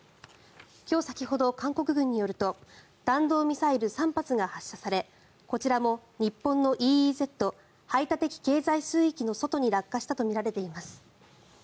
今日、先ほど韓国軍によると弾道ミサイル３発が発射されこちらも日本のＥＥＺ・排他的経済水域の外に落下したとみられています。